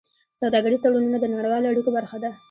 سوداګریز تړونونه د نړیوالو اړیکو برخه ده.